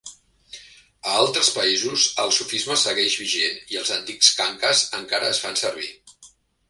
A altres països, el sufisme segueix vigent i els antics khanqahs encara es fan servir.